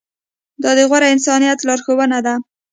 دا د غوره انسانیت لارښوونه ده.